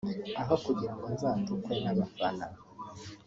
aho kugirango nzatukwe n’abafana